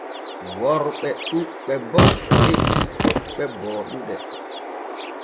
Worɓe ɗuuɓɓe bo heɓii toɓɓe booɗuɗe.